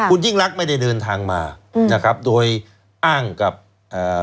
คุณยิ่งรักไม่ได้เดินทางมาอืมนะครับโดยอ้างกับเอ่อ